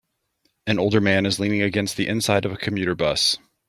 An older man is leaning against the inside of a commuter bus.